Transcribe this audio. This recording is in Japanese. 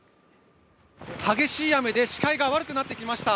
激しい雨で視界が悪くなってきました。